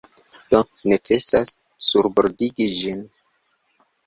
Do necesas surbordigi ĝin.